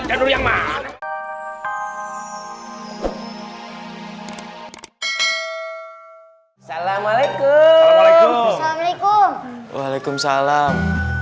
hai assalamualaikum waalaikumsalam